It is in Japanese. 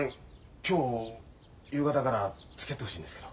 今日夕方からつきあってほしいんですけど。